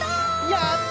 やった！